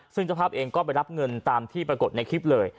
ซึ่งเจ้าภาพเองก็ไปรับเงินตามที่ปรากฏในคลิปเลย